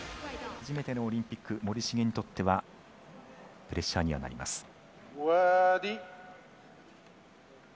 初めてのオリンピック、森重にとってはプレッシャーにはなります。